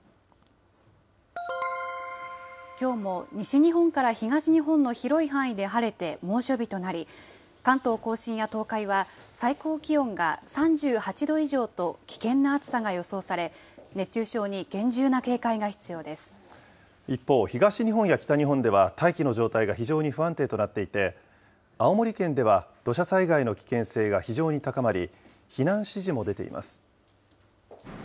きょうも西日本から東日本の広い範囲で晴れて猛暑日となり、関東甲信や東海は最高気温が３８度以上と危険な暑さが予想され、一方、東日本や北日本では大気の状態が非常に不安定となっていて、青森県では土砂災害の危険性が非常に高まり、避難指示も出ています。